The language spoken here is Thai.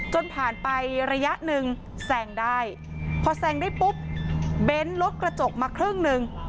จนผ่านไประยะหนึ่งแซงได้พอแซงได้ปุ๊บเบ้นรถกระจกมาครึ่งหนึ่ง